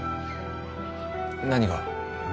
何が？